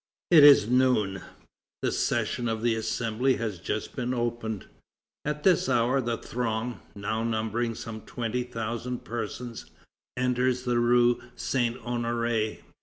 It is noon. The session of the Assembly has just been opened. At this hour the throng, now numbering some twenty thousand persons, enters the rue Saint Honoré.